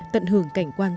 tận hưởng cảnh quan tâm